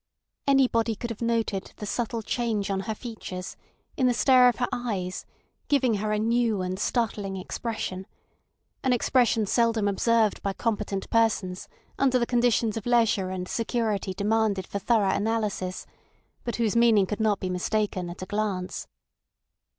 Anybody could have noted the subtle change on her features, in the stare of her eyes, giving her a new and startling expression; an expression seldom observed by competent persons under the conditions of leisure and security demanded for thorough analysis, but whose meaning could not be mistaken at a glance.